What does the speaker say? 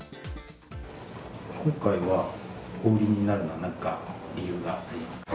今回は、お売りになるのはなんか理由がありますか？